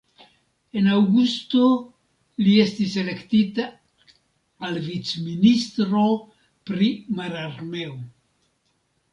En aŭgusto, li estis elektita al vicministro pri mararmeo.